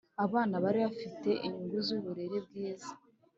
abana bari bafite inyungu zuburere bwiza